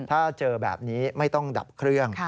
ถ้าเจอแบบนี้ไม่ต้องดับเครื่อง